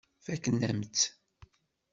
Fakkent-am-tt.